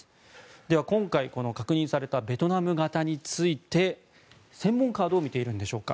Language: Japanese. では、今回、確認されたベトナム型について専門家はどう見ているんでしょうか。